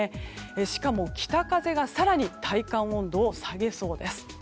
しかも、北風が更に体感温度を下げそうです。